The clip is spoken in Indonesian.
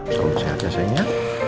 semoga sehat ya sayangnya